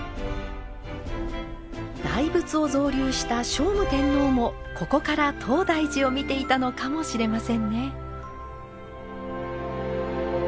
大仏を造立した聖武天皇もここから東大寺を見ていたのかもしれませんね。